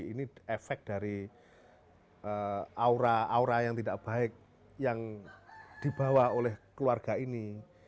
ini efek dari aura aura yang tidak baik yang dibawa oleh keluarga ini